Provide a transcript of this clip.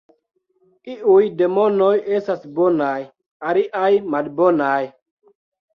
Iuj demonoj estas bonaj, aliaj malbonaj.